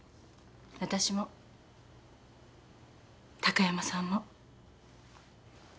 私も高山さんも。